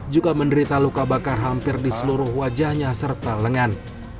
juga menderita luka bakar hampir di seluruh wajahnya serta lengan